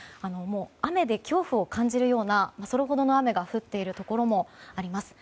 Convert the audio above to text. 雨で恐怖を感じるような雨が降っているところもあります。